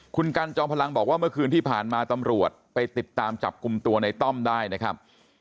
คุณกันจอมพลังบอกว่าเมื่อคืนที่ผ่านมาตำรวจไปติดตามจับกลุ่มตัวในต้อมได้นะครับ